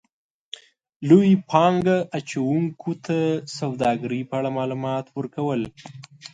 -لویو پانګه اچونکو ته د سوداګرۍ په اړه مالومات ورکو ل